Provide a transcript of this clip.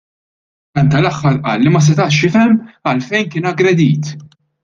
Dan tal-aħħar qal li ma setax jifhem għalfejn kien aggredit.